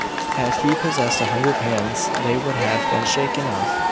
Had he possessed a hundred hands, they would have been shaken off.